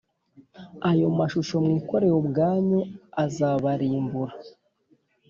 ayo mashusho mwikoreye ubwanyu azaba rimbura